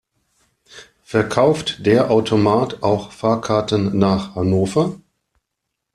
Verkauft der Automat auch Fahrkarten nach Hannover?